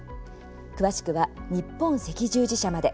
詳しくは、日本赤十字社まで。